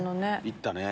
行ったね！